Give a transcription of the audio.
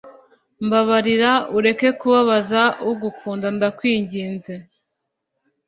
Mbabarira ureke kubabaza ugukunda ndakwinginze